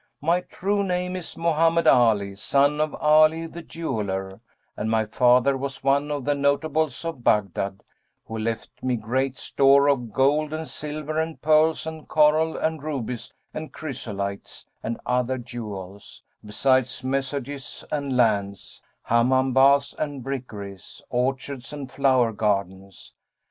My true name is Mohammed Ali, son of Ali the Jeweller, and my father was one of the notables of Baghdad, who left me great store of gold and silver and pearls and coral and rubies and chrysolites and other jewels, besides messuages and lands, Hammam baths and brickeries, orchards and flower gardens.